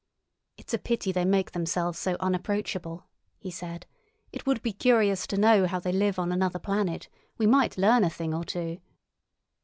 "It's a pity they make themselves so unapproachable," he said. "It would be curious to know how they live on another planet; we might learn a thing or two."